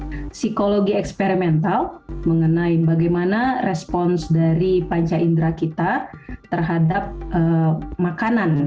psikologi eksperimental mengenai bagaimana respons dari panca indera kita terhadap makanan